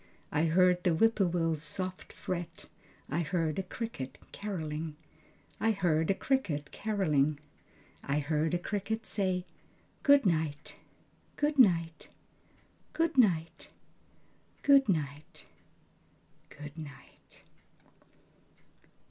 I heard the whippoorwill's soft fret. I heard a cricket carolling, I heard a cricket carolling, I heard a cricket say: "Good night, good night, Good night, good night, ... good night."